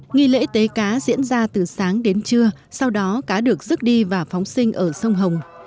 nghi lễ tế cá diễn ra từ sáng đến trưa sau đó cá được rước đi và phóng sinh ở sông hồng